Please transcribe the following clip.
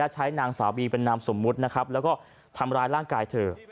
ใช้นางสาวบีเป็นนามสมมุตินะครับแล้วก็ทำร้ายร่างกายเธอ